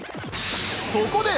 そこで！